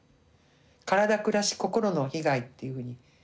体暮らし心の被害っていうふうに。